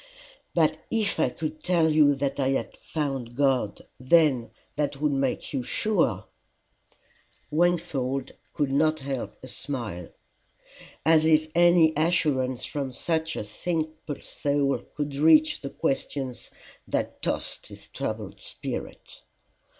"But if I could tell you I had found God, then that would make you sure." Wingfold could not help a smile: as if any assurance from such a simple soul could reach the questions that tossed his troubled spirit!